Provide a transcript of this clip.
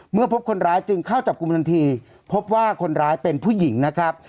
พบคนร้ายจึงเข้าจับกลุ่มทันทีพบว่าคนร้ายเป็นผู้หญิงนะครับ